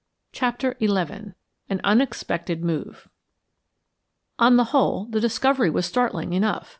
CHAPTER XI AN UNEXPECTED MOVE On the whole the discovery was startling enough.